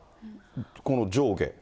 この上下。